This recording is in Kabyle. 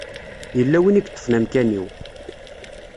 Yella win i yeṭṭfen amkan-iw.